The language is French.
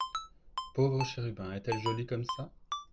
Pauvre chérubin !… est-elle jolie comme ça !…